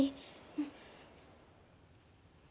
うん。